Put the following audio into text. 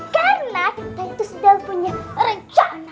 karena titus del punya rencana